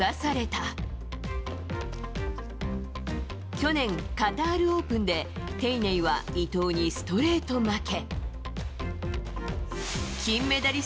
去年、カタールオープンでテイ・ネイは伊藤にストレート負け。